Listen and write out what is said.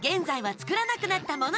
作らなくなったもの？